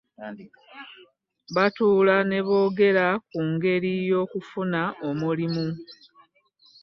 Batuula n'ebogera kungeri y'okufuna emirimu .